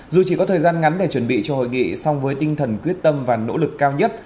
dù chỉ có thời gian ngắn để chuẩn bị cho hội nghị song với tinh thần quyết tâm và nỗ lực cao nhất